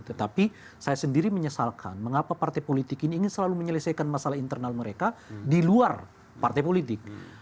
tetapi saya sendiri menyesalkan mengapa partai politik ini ingin selalu menyelesaikan masalah internal mereka di luar partai politik